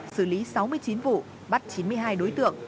xử lý sáu mươi chín vụ bắt chín mươi hai đối tượng